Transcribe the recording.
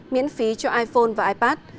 miễn phí cho iphone và ipad